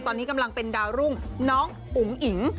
ตอนนี้กำลังเป็นดาวรุ่งน้องอุ๋งอิ๋ง